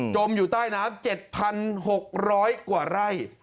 มอยู่ใต้น้ำ๗๖๐๐กว่าไร่